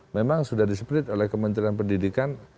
memang sudah disiplit oleh kementerian pendidikan